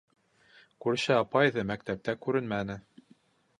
Күрше апай ҙа мәктәптә күренмәне.